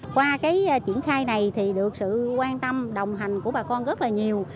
qua cái triển khai này thì được sự quan tâm đồng hành của bà con rất là nhiều